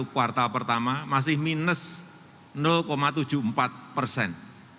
kuartal pertama masih minus tujuh puluh empat persen